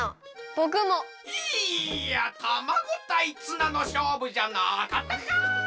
いやたまごたいツナのしょうぶじゃなかったんかい！